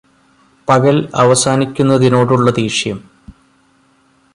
പകൽ അവസാനിക്കുന്നതിനോടുള്ള ദേഷ്യം